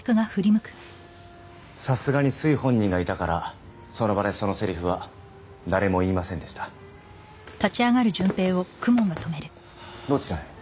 さすがにすい本人がいたからその場でそのセリフは誰も言いませんでしたどちらへ？